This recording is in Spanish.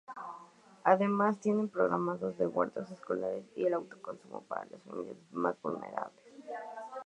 Además, tiene programas de Huertos Escolares y de autoconsumo para las familias más vulnerables.